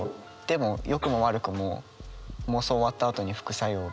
でもよくも悪くも妄想終わったあとに副作用が。